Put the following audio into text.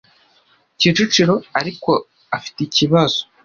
Kicukiro ariko afite ikibazo